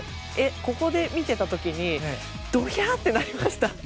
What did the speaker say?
ここで見てた時にどひゃー！ってなりました。